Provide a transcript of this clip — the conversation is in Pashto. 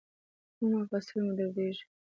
کوم مفصل مو دردیږي؟